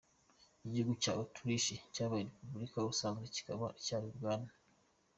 Igihugu cya Autriche cyabaye Repubulika, ubusanzwe kikaba cyari ubwami.